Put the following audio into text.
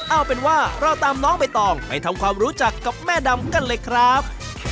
เอาเป็นว่าเราตามน้องใบตองไปทำความรู้จักกับแม่ดำกันเลยครับ